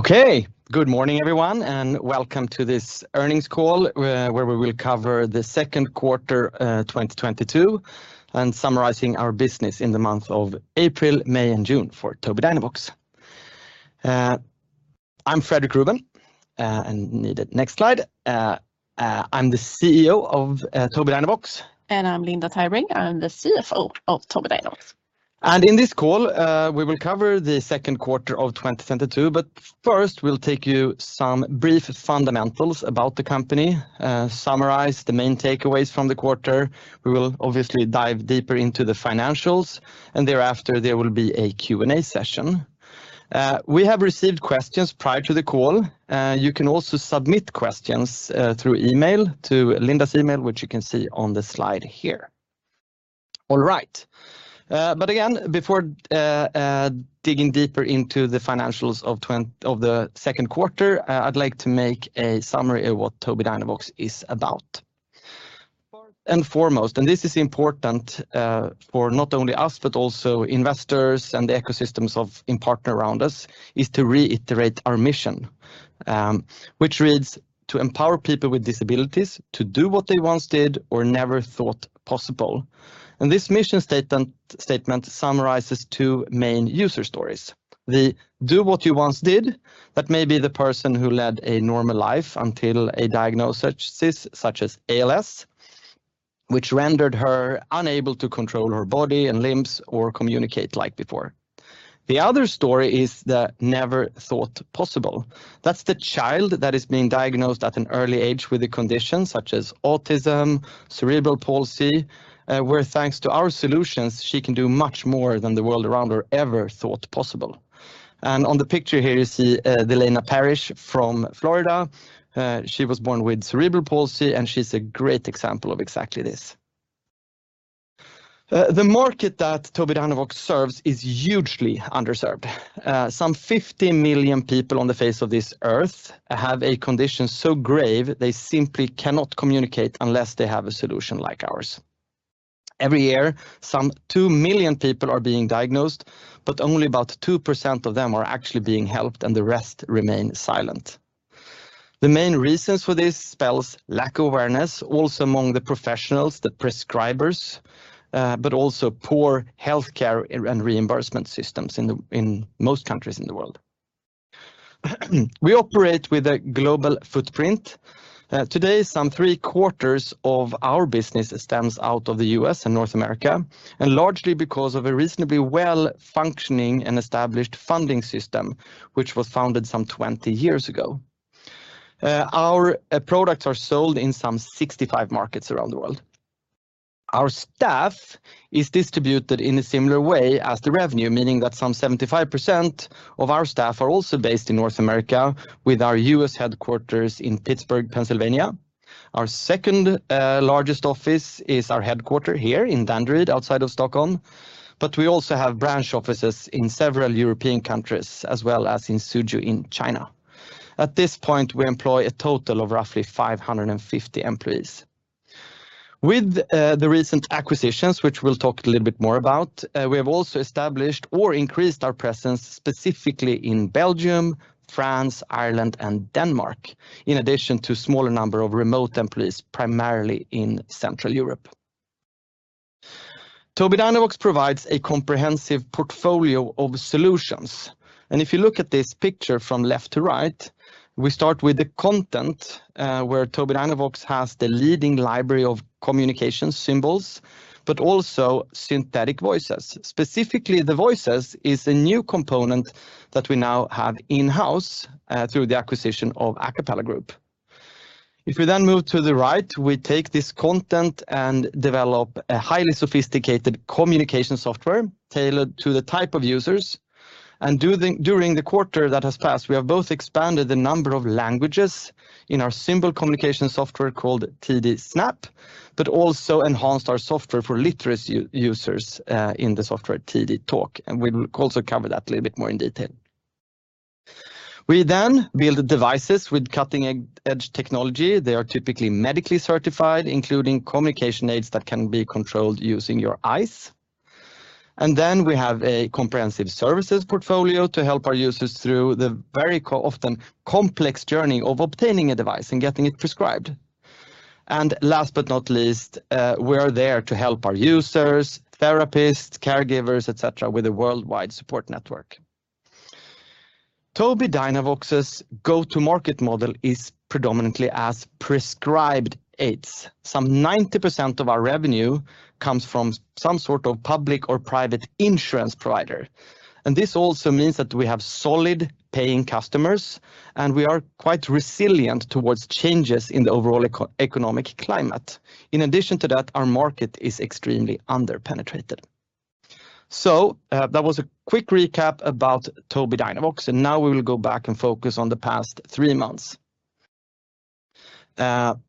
Okay. Good morning, everyone, and welcome to this earnings call, where we will cover the second quarter 2022, summarizing our business in the month of April, May and June for Tobii Dynavox. I'm Fredrik Ruben, and need the next slide. I'm the CEO of Tobii Dynavox. I'm Linda Tybring. I'm the CFO of Tobii Dynavox. In this call, we will cover the second quarter of 2022, but first we'll take you through some brief fundamentals about the company, summarize the main takeaways from the quarter. We will obviously dive deeper into the financials and thereafter there will be a Q&A session. We have received questions prior to the call. You can also submit questions through email to Linda's email, which you can see on the slide here. All right. But again, before digging deeper into the financials of the second quarter, I'd like to make a summary of what Tobii Dynavox is about. First and foremost, this is important for not only us but also investors and the ecosystems and partners around us, is to reiterate our mission, which reads, "To empower people with disabilities to do what they once did or never thought possible." This mission statement summarizes two main user stories. The do what you once did, that may be the person who led a normal life until a diagnosis such as ALS, which rendered her unable to control her body and limbs or communicate like before. The other story is the never thought possible. That's the child that is being diagnosed at an early age with a condition such as autism, cerebral palsy, where thanks to our solutions, she can do much more than the world around her ever thought possible. On the picture here, you see Delaina Parrish from Florida. She was born with cerebral palsy, and she's a great example of exactly this. The market that Tobii Dynavox serves is hugely underserved. Some 50 million people on the face of this earth have a condition so grave they simply cannot communicate unless they have a solution like ours. Every year, some two million people are being diagnosed, but only about 2% of them are actually being helped and the rest remain silent. The main reasons for this is lack awareness also among the professionals, the prescribers, but also poor healthcare and reimbursement systems in most countries in the world. We operate with a global footprint. Today, some three-quarters of our business stems out of the U.S. and North America, and largely because of a reasonably well-functioning and established funding system, which was founded some 20 years ago. Our products are sold in some 65 markets around the world. Our staff is distributed in a similar way as the revenue, meaning that some 75% of our staff are also based in North America with our U.S. headquarters in Pittsburgh, Pennsylvania. Our second largest office is our headquarter here in Danderyd, outside of Stockholm. We also have branch offices in several European countries as well as in Suzhou in China. At this point, we employ a total of roughly 550 employees. With the recent acquisitions, which we'll talk a little bit more about, we have also established or increased our presence, specifically in Belgium, France, Ireland, and Denmark, in addition to smaller number of remote employees, primarily in Central Europe. Tobii Dynavox provides a comprehensive portfolio of solutions. If you look at this picture from left to right, we start with the content, where Tobii Dynavox has the leading library of communication symbols, but also synthetic voices. Specifically, the voices is a new component that we now have in-house, through the acquisition of Acapela Group. If we then move to the right, we take this content and develop a highly sophisticated communication software tailored to the type of users. During the quarter that has passed, we have both expanded the number of languages in our symbol communication software called TD Snap, but also enhanced our software for literacy users, in the software TD Talk, and we will also cover that a little bit more in detail. We then build the devices with cutting-edge technology. They are typically medically certified, including communication aids that can be controlled using your eyes. We have a comprehensive services portfolio to help our users through the often complex journey of obtaining a device and getting it prescribed. Last but not least, we are there to help our users, therapists, caregivers, et cetera, with a worldwide support network. Tobii Dynavox's go-to-market model is predominantly as prescribed aids. 90% of our revenue comes from some sort of public or private insurance provider. This also means that we have solid paying customers, and we are quite resilient towards changes in the overall economic climate. In addition to that, our market is extremely underpenetrated. That was a quick recap about Tobii Dynavox, and now we will go back and focus on the past three months. If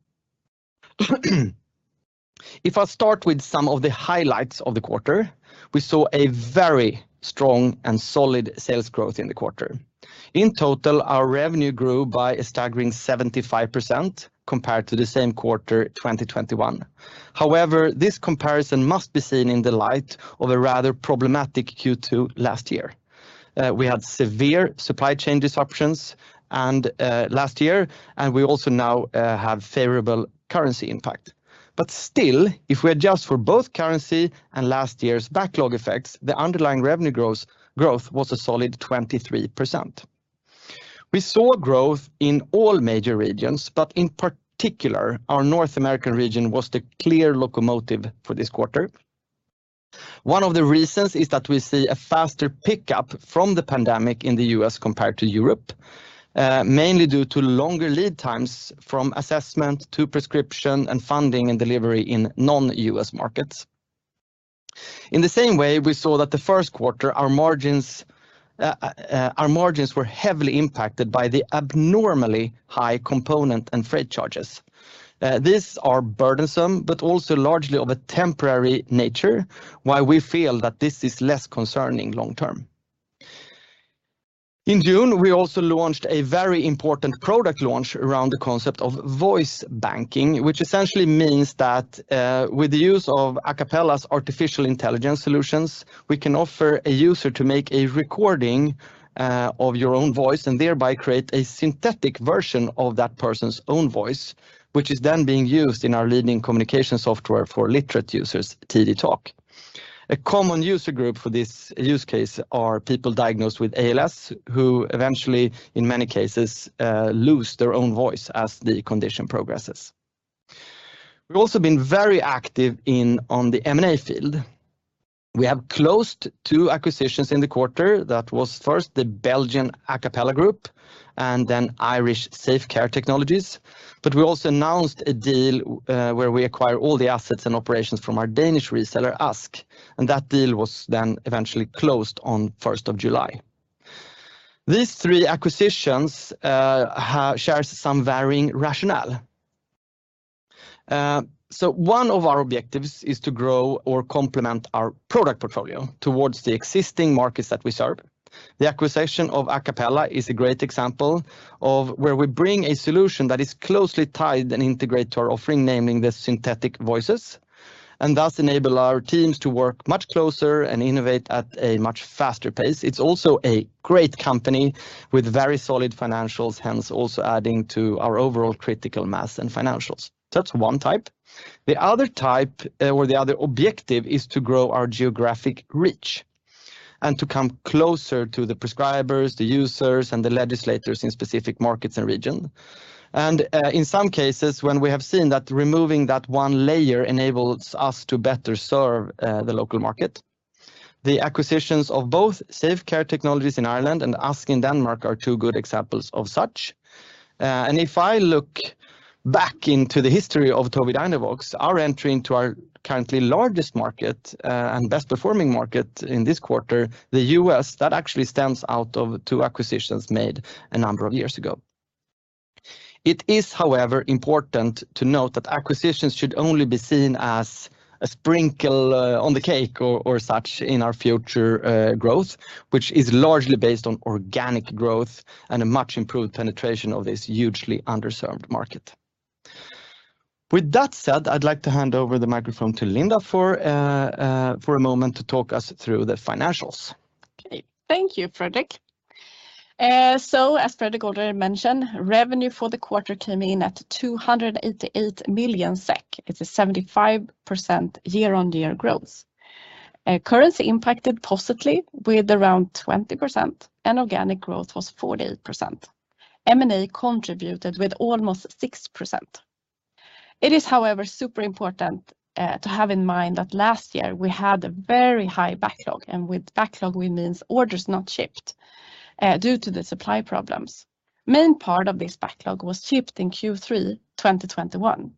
I start with some of the highlights of the quarter, we saw a very strong and solid sales growth in the quarter. In total, our revenue grew by a staggering 75% compared to the same quarter, 2021. However, this comparison must be seen in the light of a rather problematic Q2 last year. We had severe supply chain disruptions and last year, and we also now have favorable currency impact. Still, if we adjust for both currency and last year's backlog effects, the underlying revenue growth was a solid 23%. We saw growth in all major regions, but in particular, our North American region was the clear locomotive for this quarter. One of the reasons is that we see a faster pickup from the pandemic in the U.S. compared to Europe, mainly due to longer lead times from assessment to prescription and funding and delivery in non-U.S. markets. In the same way, we saw that the first quarter, our margins were heavily impacted by the abnormally high component and freight charges. These are burdensome, but also largely of a temporary nature while we feel that this is less concerning long term. In June, we also launched a very important product launch around the concept of voice banking, which essentially means that, with the use of Acapela's artificial intelligence solutions, we can offer a user to make a recording, of your own voice and thereby create a synthetic version of that person's own voice, which is then being used in our leading communication software for literate users, TD Talk. A common user group for this use case are people diagnosed with ALS, who eventually, in many cases, lose their own voice as the condition progresses. We've also been very active in, on the M&A field. We have closed two acquisitions in the quarter. That was first the Belgian Acapela Group and then Irish Safe Care Technologies. We also announced a deal, where we acquire all the assets and operations from our Danish reseller, ASK. That deal was then eventually closed on first of July. These three acquisitions have some varying rationale. One of our objectives is to grow or complement our product portfolio towards the existing markets that we serve. The acquisition of Acapela is a great example of where we bring a solution that is closely tied and integrated to our offering, namely the synthetic voices, and thus enable our teams to work much closer and innovate at a much faster pace. It's also a great company with very solid financials, hence also adding to our overall critical mass and financials. That's one type. The other type, or the other objective is to grow our geographic reach and to come closer to the prescribers, the users, and the legislators in specific markets and region. In some cases, when we have seen that removing that one layer enables us to better serve the local market. The acquisitions of both Safe Care Technologies in Ireland and ASK in Denmark are two good examples of such. If I look back into the history of Tobii Dynavox, our entry into our currently largest market and best-performing market in this quarter, the U.S., that actually stands out as two acquisitions made a number of years ago. It is, however, important to note that acquisitions should only be seen as a sprinkle on the cake or such in our future growth, which is largely based on organic growth and a much improved penetration of this hugely underserved market. With that said, I'd like to hand over the microphone to Linda for a moment to talk us through the financials. Okay. Thank you, Fredrik. So as Fredrik already mentioned, revenue for the quarter came in at 288 million SEK. It's a 75% year-on-year growth. Currency impacted positively with around 20%, and organic growth was 40%. M&A contributed with almost 6%. It is, however, super important to have in mind that last year we had a very high backlog, and with backlog, we means orders not shipped due to the supply problems. Main part of this backlog was shipped in Q3 2021.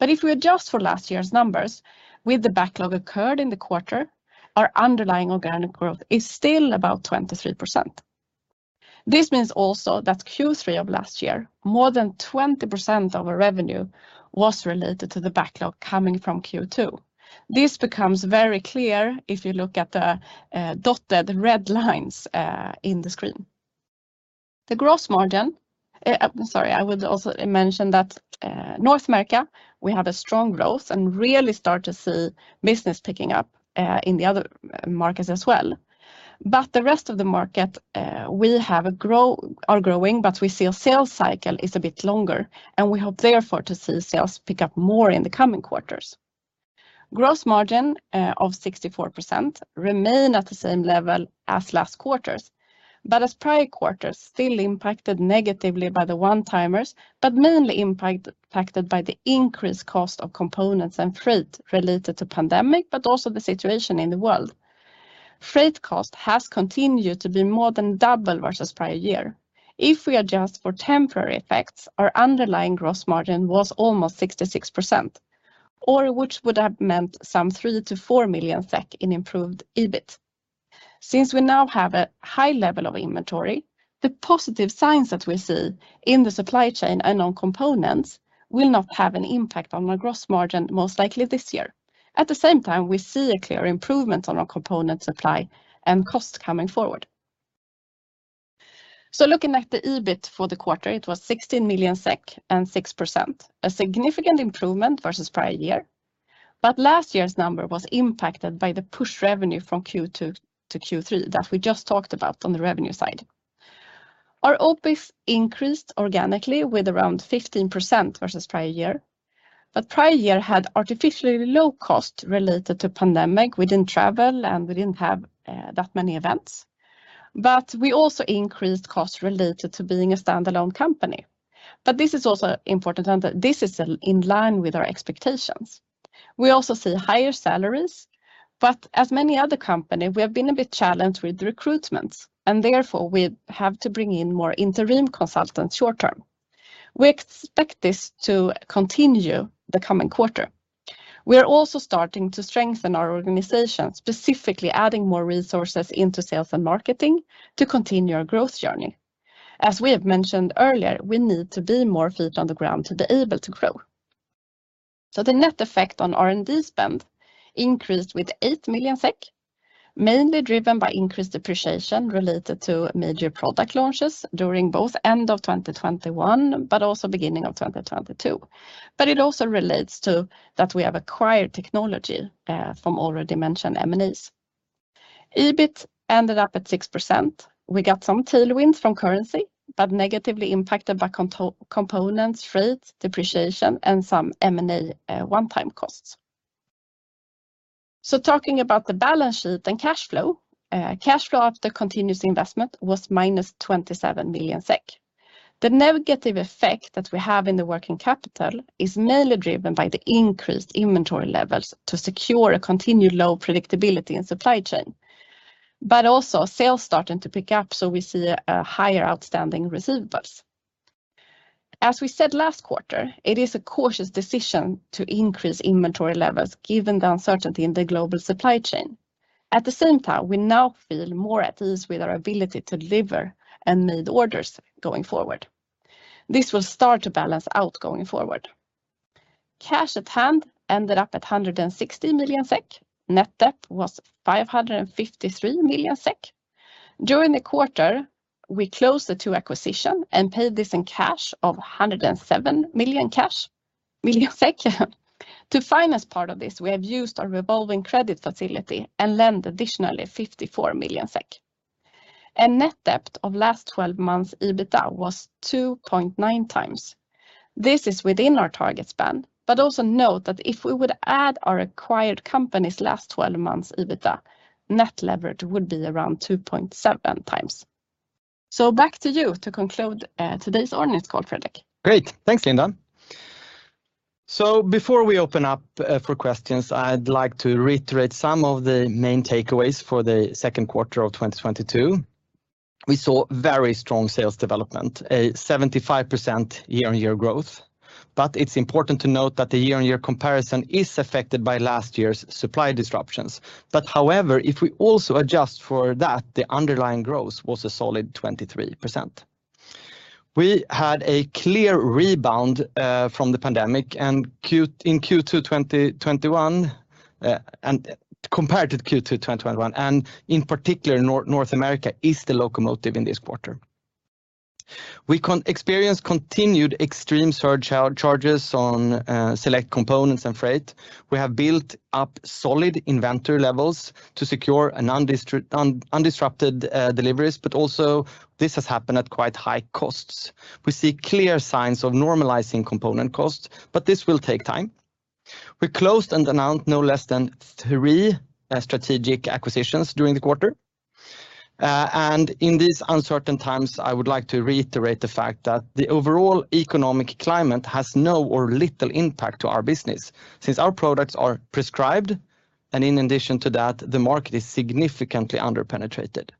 If we adjust for last year's numbers, with the backlog occurred in the quarter, our underlying organic growth is still about 23%. This means also that Q3 of last year, more than 20% of our revenue was related to the backlog coming from Q2. This becomes very clear if you look at the dotted red lines in the screen. The gross margin. Sorry, I would also mention that North America, we have a strong growth and really start to see business picking up in the other markets as well. The rest of the market, we are growing, but we see our sales cycle is a bit longer, and we hope therefore to see sales pick up more in the coming quarters. Gross margin of 64% remain at the same level as last quarters, but as prior quarters, still impacted negatively by the one-timers, but mainly impacted by the increased cost of components and freight related to pandemic, but also the situation in the world. Freight cost has continued to be more than double versus prior year. If we adjust for temporary effects, our underlying gross margin was almost 66%, which would have meant 3 million-4 million SEK in improved EBIT. Since we now have a high level of inventory, the positive signs that we see in the supply chain and on components will not have an impact on our gross margin most likely this year. At the same time, we see a clear improvement on our component supply and cost coming forward. Looking at the EBIT for the quarter, it was 16 million SEK and 6%, a significant improvement versus prior year. Last year's number was impacted by the push revenue from Q2 to Q3 that we just talked about on the revenue side. Our OpEx increased organically with around 15% versus prior year. Prior year had artificially low cost related to pandemic. We didn't travel, and we didn't have that many events. We also increased costs related to being a standalone company. This is also important, and this is in line with our expectations. We also see higher salaries. As many other company, we have been a bit challenged with recruitments, and therefore, we have to bring in more interim consultants short term. We expect this to continue the coming quarter. We are also starting to strengthen our organization, specifically adding more resources into sales and marketing to continue our growth journey. As we have mentioned earlier, we need to be more feet on the ground to be able to grow. The net effect on R&D spend increased with 8 million SEK, mainly driven by increased depreciation related to major product launches during both end of 2021, but also beginning of 2022. It also relates to that we have acquired technology from already mentioned M&As. EBIT ended up at 6%. We got some tailwinds from currency, but negatively impacted by components, freight, depreciation, and some M&A one-time costs. Talking about the balance sheet and cash flow, cash flow after continuous investment was -27 million SEK. The negative effect that we have in the working capital is mainly driven by the increased inventory levels to secure a continued low predictability in supply chain, but also sales starting to pick up, so we see a higher outstanding receivables. As we said last quarter, it is a cautious decision to increase inventory levels given the uncertainty in the global supply chain. At the same time, we now feel more at ease with our ability to deliver and meet orders going forward. This will start to balance out going forward. Cash at hand ended up at 160 million SEK. Net debt was 553 million SEK. During the quarter, we closed the two acquisitions and paid this in cash of 107 million. To finance part of this, we have used our revolving credit facility and lend additionally 54 million SEK. Net debt of last 12 months EBITDA was 2.9x. This is within our target span, but also note that if we would add our acquired company's last 12 months EBITDA, net leverage would be around 2.7x. Back to you to conclude today's earnings call, Fredrik. Great. Thanks, Linda. Before we open up for questions, I'd like to reiterate some of the main takeaways for the second quarter of 2022. We saw very strong sales development, a 75% year-on-year growth. It's important to note that the year-on-year comparison is affected by last year's supply disruptions. However, if we also adjust for that, the underlying growth was a solid 23%. We had a clear rebound from the pandemic and in Q2 2021, and compared to Q2 2021, and in particular, North America is the locomotive in this quarter. We experience continued extreme surcharges on select components and freight. We have built up solid inventory levels to secure undisrupted deliveries, but also this has happened at quite high costs. We see clear signs of normalizing component costs, but this will take time. We closed and announced no less than three strategic acquisitions during the quarter. In these uncertain times, I would like to reiterate the fact that the overall economic climate has no or little impact to our business since our products are prescribed. In addition to that, the market is significantly underpenetrated.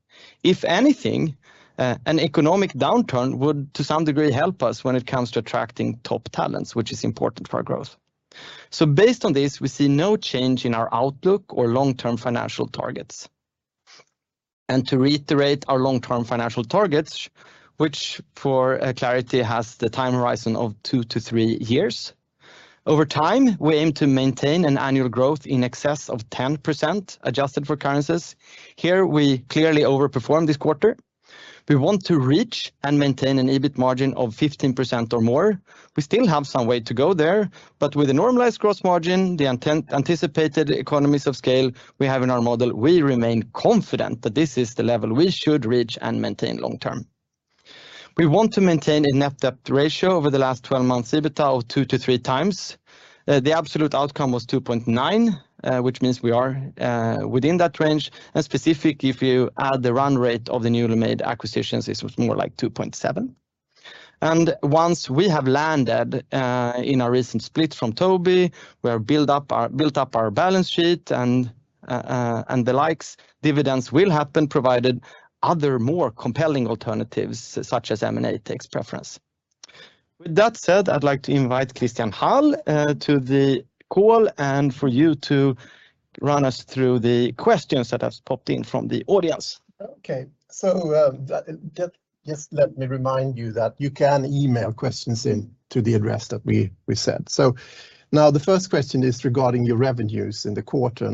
If anything, an economic downturn would, to some degree, help us when it comes to attracting top talents, which is important for our growth. Based on this, we see no change in our outlook or long-term financial targets. To reiterate our long-term financial targets, which for clarity, has the time horizon of 2-3 years. Over time, we aim to maintain an annual growth in excess of 10%, adjusted for currencies. Here, we clearly overperformed this quarter. We want to reach and maintain an EBIT margin of 15% or more. We still have some way to go there, but with a normalized gross margin, the anticipated economies of scale we have in our model, we remain confident that this is the level we should reach and maintain long term. We want to maintain a net debt ratio over the last 12 months EBITDA of 2x-3x. The absolute outcome was 2.9x, which means we are within that range. Specifically, if you add the run rate of the newly made acquisitions, it's more like 2.7x. Once we have landed in our recent split from Tobii, we have built up our balance sheet and the likes, dividends will happen, provided other more compelling alternatives, such as M&A takes preference. With that said, I'd like to invite Christian Hall to the call and for you to run us through the questions that have popped in from the audience. Okay. Just let me remind you that you can email questions in to the address that we said. The first question is regarding your revenues in the quarter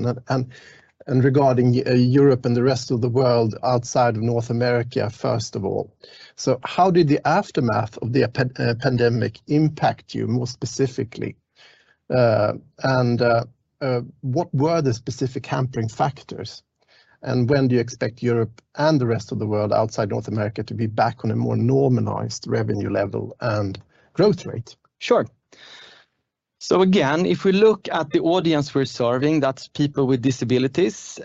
and regarding Europe and the rest of the world outside of North America, first of all. How did the aftermath of the pandemic impact you more specifically? What were the specific hampering factors? When do you expect Europe and the rest of the world outside North America to be back on a more normalized revenue level and growth rate? Sure. Again, if we look at the audience we're serving, that's people with disabilities,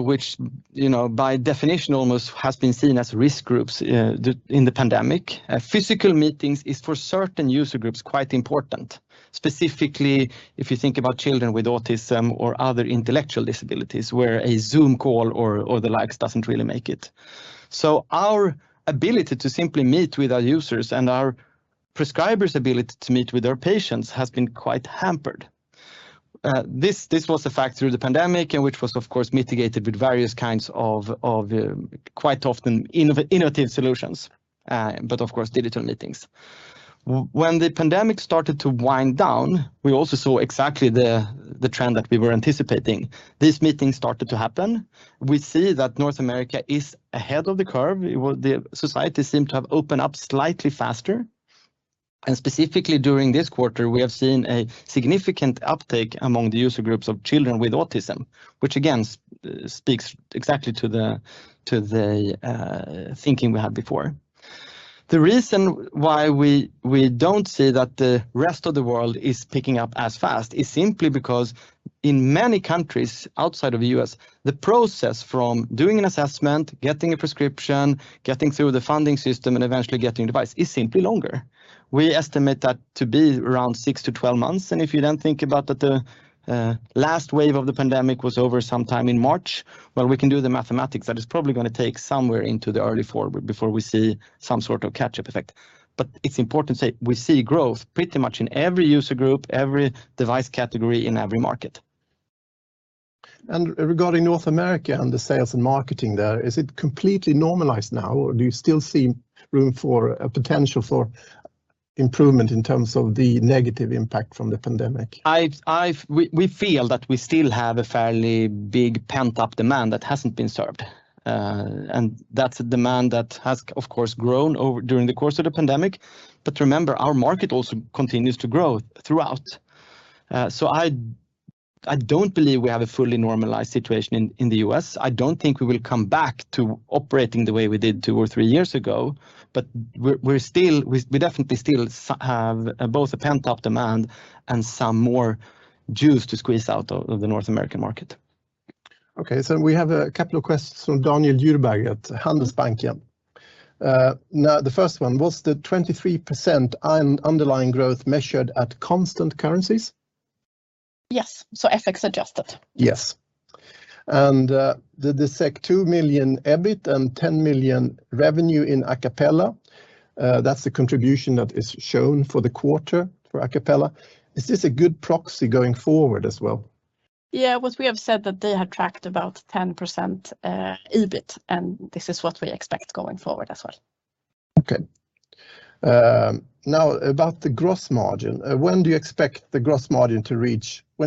which, you know, by definition almost has been seen as risk groups in the pandemic. Physical meetings is for certain user groups quite important. Specifically if you think about children with autism or other intellectual disabilities, where a Zoom call or the likes doesn't really make it. Our ability to simply meet with our users and our prescribers' ability to meet with their patients has been quite hampered. This was a factor of the pandemic and which was of course mitigated with various kinds of quite often innovative solutions, but of course, digital meetings. When the pandemic started to wind down, we also saw exactly the trend that we were anticipating. These meetings started to happen. We see that North America is ahead of the curve. The society seemed to have opened up slightly faster, and specifically during this quarter, we have seen a significant uptake among the user groups of children with autism, which again speaks exactly to the thinking we had before. The reason why we don't see that the rest of the world is picking up as fast is simply because in many countries outside of the U.S., the process from doing an assessment, getting a prescription, getting through the funding system, and eventually getting a device is simply longer. We estimate that to be around 6-12 months, and if you then think about that the last wave of the pandemic was over sometime in March, well, we can do the mathematics. That is probably gonna take somewhere into the early four before we see some sort of catch-up effect. It's important to say we see growth pretty much in every user group, every device category, in every market. Regarding North America and the sales and marketing there, is it completely normalized now, or do you still see room for a potential for improvement in terms of the negative impact from the pandemic? We feel that we still have a fairly big pent-up demand that hasn't been served. That's a demand that has, of course, grown over the course of the pandemic. Remember, our market also continues to grow throughout. I don't believe we have a fully normalized situation in the U.S. I don't think we will come back to operating the way we did two or three years ago. We're still. We definitely still have both a pent-up demand and some more juice to squeeze out of the North American market. We have a couple of questions from Daniel Djurberg at Handelsbanken. Now, the first one: Was the 23% underlying growth measured at constant currencies? Yes. FX adjusted. Yes. The 2 million EBIT and 10 million revenue in Acapela, that's the contribution that is shown for the quarter for Acapela. Is this a good proxy going forward as well? Yeah. What we have said that they had tracked about 10%, EBIT, and this is what we expect going forward as well. Okay. Now about the gross margin. When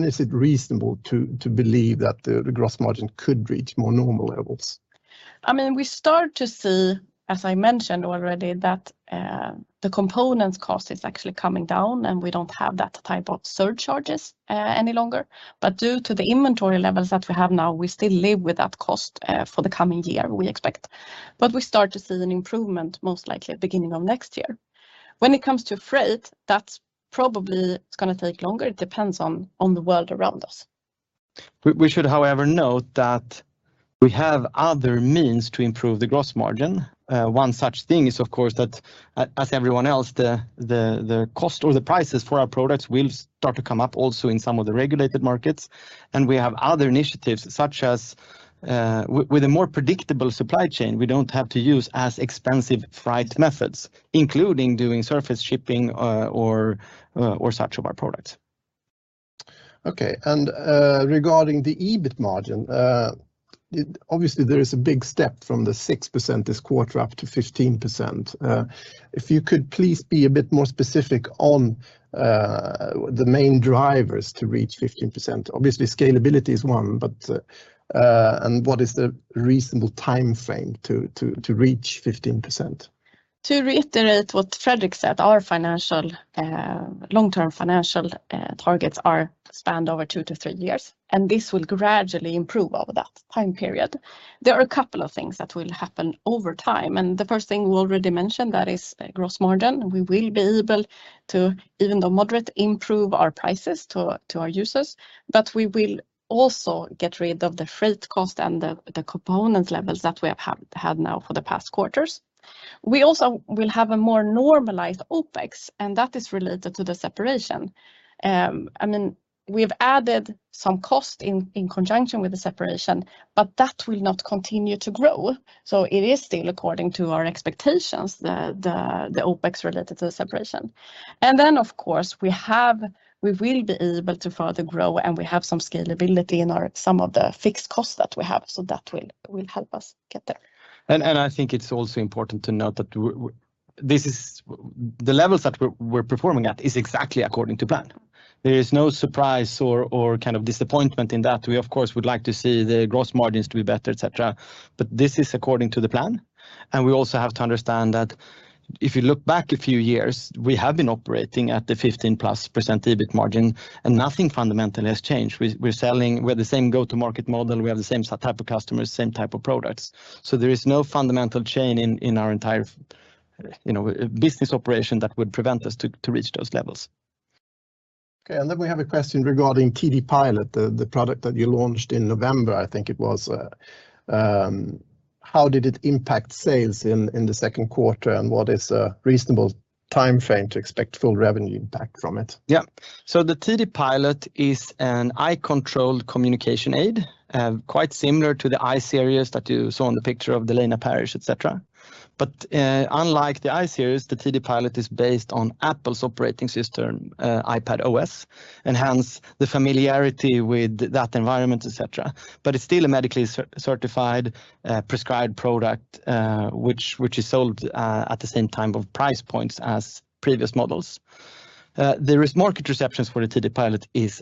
is it reasonable to believe that the gross margin could reach more normal levels? I mean, we start to see, as I mentioned already, that the components cost is actually coming down, and we don't have that type of surcharges any longer. Due to the inventory levels that we have now, we still live with that cost for the coming year, we expect. We start to see an improvement most likely at beginning of next year. When it comes to freight, that's probably gonna take longer. It depends on the world around us. We should, however, note that we have other means to improve the gross margin. One such thing is, of course, that, as everyone else, the cost or the prices for our products will start to come up also in some of the regulated markets. We have other initiatives such as with a more predictable supply chain. We don't have to use as expensive freight methods, including doing surface shipping, or such of our products. Okay. Regarding the EBIT margin, obviously there is a big step from the 6% this quarter up to 15%. If you could please be a bit more specific on the main drivers to reach 15%. Obviously, scalability is one, and what is the reasonable timeframe to reach 15%? To reiterate what Fredrik said, our long-term financial targets are spanned over 2-3 years, and this will gradually improve over that time period. There are a couple of things that will happen over time, and the first thing we already mentioned, that is gross margin. We will be able to, even though moderate, improve our prices to our users, but we will also get rid of the freight cost and the component levels that we have had now for the past quarters. We also will have a more normalized OpEx, and that is related to the separation. I mean, we have added some cost in conjunction with the separation, but that will not continue to grow. So it is still according to our expectations, the OpEx related to the separation. Of course, we have- We will be able to further grow, and we have some scalability in our some of the fixed costs that we have. That will help us get there. I think it's also important to note that this is the levels that we're performing at is exactly according to plan. There is no surprise or kind of disappointment in that. We of course would like to see the gross margins to be better, et cetera. This is according to the plan, and we also have to understand that if you look back a few years, we have been operating at the 15%+ EBIT margin, and nothing fundamental has changed. We're selling. We're the same go-to market model, we have the same type of customers, same type of products. There is no fundamental change in our entire you know business operation that would prevent us to reach those levels. We have a question regarding TD Pilot, the product that you launched in November, I think it was. How did it impact sales in the second quarter, and what is a reasonable timeframe to expect full revenue impact from it? Yeah. The TD Pilot is an eye-controlled communication aid, quite similar to the I-Series that you saw in the picture of the Delaina Parrish, et cetera. Unlike the I-Series, the TD Pilot is based on Apple's operating system, iPadOS, and hence the familiarity with that environment, et cetera. It's still a medically certified, prescribed product, which is sold at the same tier of price points as previous models. The market reception for the TD Pilot is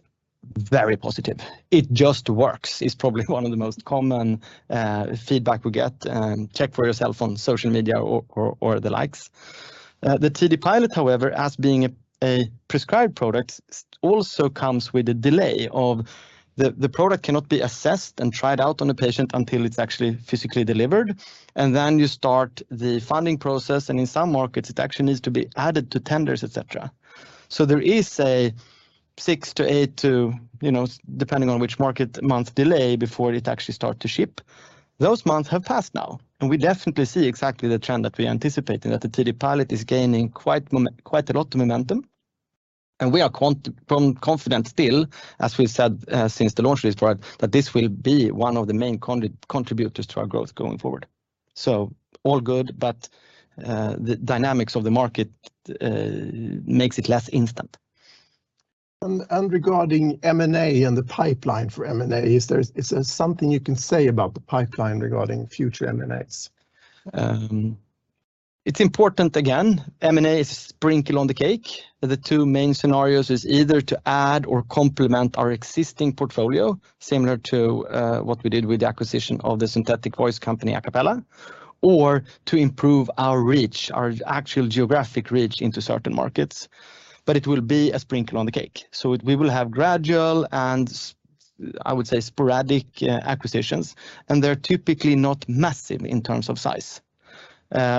very positive. "It just works," is probably one of the most common, feedback we get, check for yourself on social media or the likes. The TD Pilot, however, as being a prescribed product, also comes with a delay. The product cannot be assessed and tried out on a patient until it's actually physically delivered, and then you start the funding process. In some markets, it actually needs to be added to tenders, etc. There is a six to eight, you know, depending on which market, month delay before it actually start to ship. Those months have passed now. We definitely see exactly the trend that we anticipated, that the TD Pilot is gaining quite a lot of momentum, and we are confident still, as we said, since the launch of this product, that this will be one of the main contributors to our growth going forward. All good, but the dynamics of the market makes it less instant. Regarding M&A and the pipeline for M&A, is there something you can say about the pipeline regarding future M&As? It's important again, M&A is sprinkle on the cake. The two main scenarios is either to add or complement our existing portfolio, similar to what we did with the acquisition of the synthetic voice company Acapela, or to improve our reach, our actual geographic reach into certain markets. It will be a sprinkle on the cake. We will have gradual and I would say, sporadic, acquisitions, and they're typically not massive in terms of size.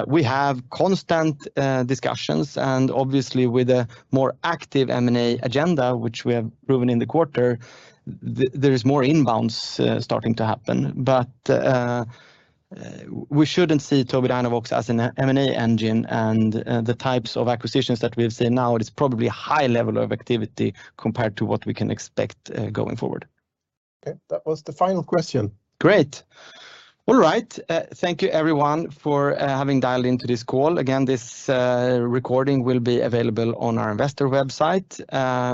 We have constant discussions and obviously with a more active M&A agenda, which we have proven in the quarter, there is more inbounds starting to happen. We shouldn't see Tobii Dynavox as an M&A engine and the types of acquisitions that we've seen now is probably a high level of activity compared to what we can expect going forward. Okay. That was the final question. Great. All right. Thank you everyone for having dialed into this call. Again, this recording will be available on our investor website.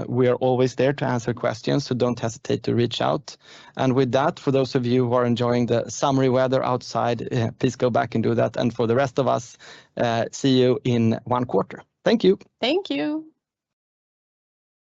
We are always there to answer questions, so don't hesitate to reach out. With that, for those of you who are enjoying the sunny weather outside, please go back and do that. For the rest of us, see you in one quarter. Thank you. Thank you.